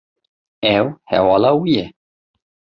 Ew hevala wî ye.